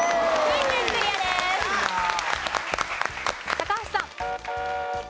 高橋さん。